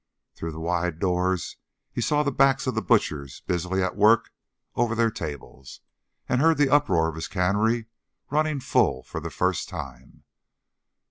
Through the wide doors he saw the backs of the butchers busily at work over their tables, and heard the uproar of his cannery running full for the first time.